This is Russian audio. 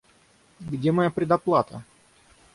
Где моя предоплата?